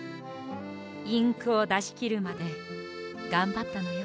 インクをだしきるまでがんばったのよ。